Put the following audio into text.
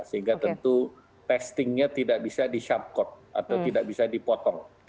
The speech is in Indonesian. sehingga tentu testingnya tidak bisa di sharp code atau tidak bisa di potong